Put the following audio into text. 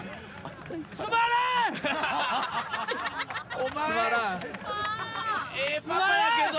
お前ええパパやけど。